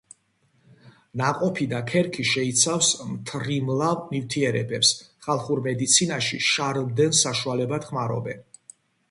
ნაყოფი და ქერქი შეიცავს მთრიმლავ ნივთიერებებს, ხალხურ მედიცინაში შარდმდენ საშუალებად ხმარობენ.